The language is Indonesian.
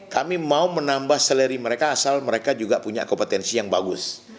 kami mau menambah seleri mereka asal mereka juga punya kompetensi yang bagus